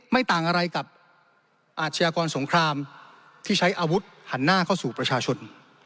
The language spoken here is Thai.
ไม่ต่างอะไรกับอาชญากรสงครามที่ใช้อาวุธหันหน้าเข้าสู่ประชาชน